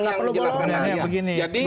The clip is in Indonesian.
gak perlu golongan